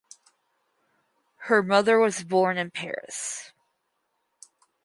Her mother was born in Paris.